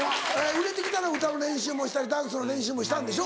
売れてきたら歌の練習もしたりダンスの練習もしたんでしょ？